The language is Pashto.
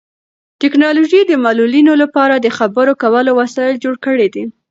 ټیکنالوژي د معلولینو لپاره د خبرو کولو وسایل جوړ کړي دي.